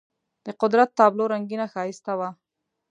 د قدرت تابلو رنګینه ښایسته وه.